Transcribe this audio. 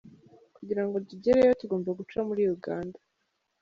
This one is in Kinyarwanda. Kugira ngo tugereyo tugomba guca muri Uganda.